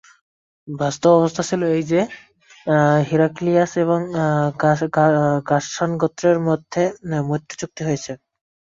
বাস্তব অবস্থা ছিল এই যে, হিরাক্লিয়াস এবং গাসসান গোত্রের মধ্যে মৈত্রীচুক্তি হয়েছে।